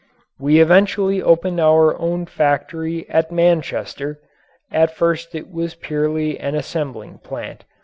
We eventually opened our own factory at Manchester; at first it was purely an assembling plant.